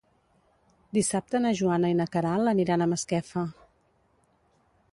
Dissabte na Joana i na Queralt aniran a Masquefa.